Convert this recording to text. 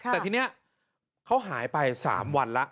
แต่ทีนี้เขาหายไป๓วันแล้ว